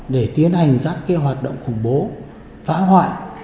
để tiến hành các hoạt động khủng bố phá hoại